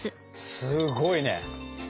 すごいね。